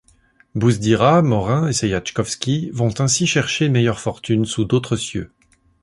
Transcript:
Bousdira, Morin et Zajaczkowski vont ainsi chercher meilleure fortune sous d'autres cieux.